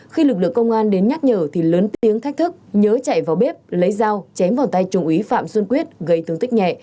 khi lực lượng công an đến nhắc nhở thì lớn tiếng thách thức nhớ chạy vào bếp lấy dao chém vào tay trùng úy phạm xuân quyết gây thương tích nhẹ